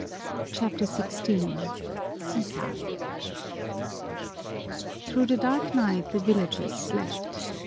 CHAPTER XVI Sisa Through the dark night the villagers slept.